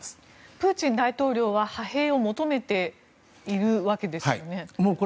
プーチン大統領は派兵を求めているわけですよね。